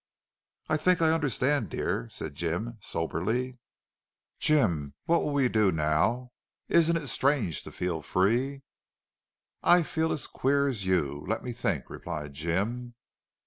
"I think I understand, dear," said Jim, soberly. "Jim, what'll we do now? Isn't it strange to feel free?" "I feel as queer as you. Let me think," replied Jim.